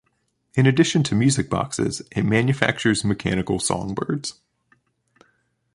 In addition to music boxes, it manufactures mechanical songbirds.